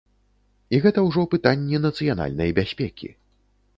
І гэта ўжо пытанні нацыянальнай бяспекі.